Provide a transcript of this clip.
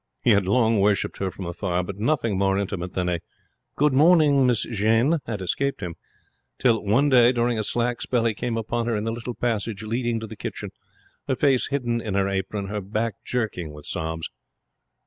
He had long worshipped her from afar, but nothing more intimate than a 'Good morning, Miss Jeanne', had escaped him, till one day during a slack spell he came upon her in the little passage leading to the kitchen, her face hidden in her apron, her back jerking with sobs.